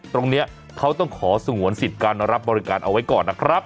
ตรงนี้เขาต้องขอสงวนสิทธิ์การรับบริการเอาไว้ก่อนนะครับ